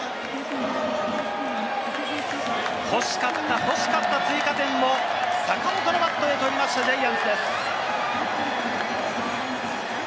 欲しかった欲しかった追加点を坂本のバットで取りましたジャイアンツです。